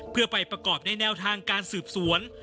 เพื่อไปประกอบในแนวทางการสืบสวน